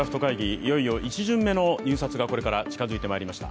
いよいよ１巡目の入札がこれから近づいてまいりました。